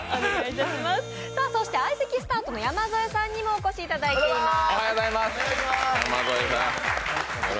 相席スタートの山添さんにもお越しいただいています。